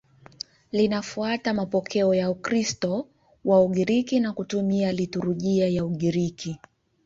Linafuata mapokeo ya Ukristo wa Ugiriki na kutumia liturujia ya Ugiriki.